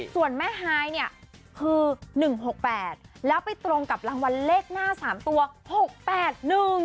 ส่วนแม่ฮายเนี่ยคือหนึ่งหกแปดแล้วไปตรงกับรางวัลเลขหน้าสามตัวหกแปดหนึ่ง